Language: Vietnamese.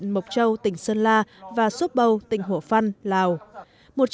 huyện mộc châu tỉnh sơn la và sốp bầu tỉnh hổ phăn lào